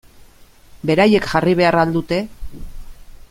Beraiek jarri behar al dute?